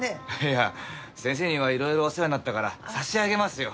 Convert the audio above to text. いや先生にはいろいろお世話になったから差し上げますよ。